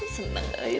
seneng gak ya ini ya